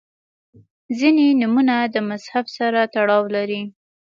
• ځینې نومونه د مذهب سره تړاو لري.